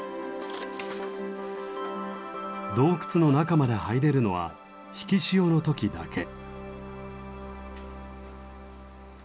洞窟の中まで入れるのは引き潮の時だけ。